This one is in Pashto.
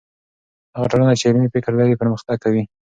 هغه ټولنه چې علمي فکر لري، پرمختګ کوي.